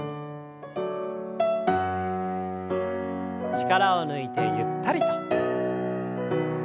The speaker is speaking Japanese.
力を抜いてゆったりと。